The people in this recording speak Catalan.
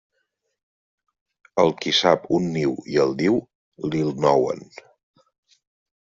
El qui sap un niu i el diu, li'l nouen.